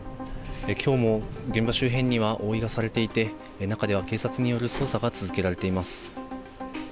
きょうも現場周辺には覆いがされていて、中では警察による捜査が続けられています。